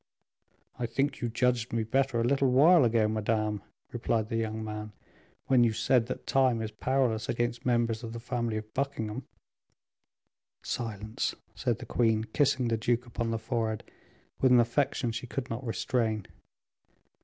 "I think you judged me better a little while ago, madame," replied the young man, "when you said that time is powerless against members of the family of Buckingham." "Silence," said the queen, kissing the duke upon the forehead with an affection she could not restrain.